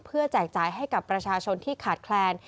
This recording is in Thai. แจกจ่ายให้กับประชาชนที่ขาดแคลน